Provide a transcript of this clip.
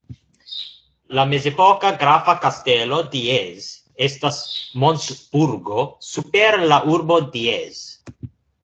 La mezepoka grafa kastelo Diez estas montburgo super la urbo Diez.